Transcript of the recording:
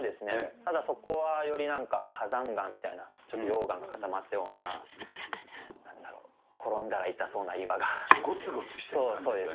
ただ、そこはよりなんか、火山岩みたいな、ちょっと溶岩が固まったような、なんだろ、ごつごつしてる感じですよね。